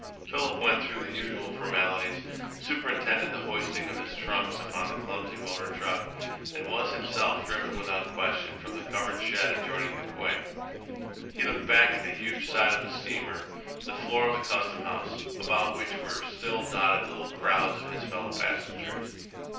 Philip went through the usual formalities, superintended the hoisting of his trunks upon a clumsy motor truck, and was himself driven without question from the covered shed adjoining the quay. He looked back at the huge side of the steamer, the floor of the Custom House, about which were still dotted little crowds of his fellow passengers.